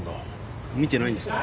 見てないんですか？